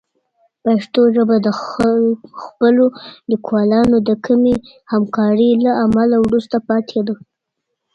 پښتو ژبه د خپلو لیکوالانو د کمې همکارۍ له امله وروسته پاتې ده.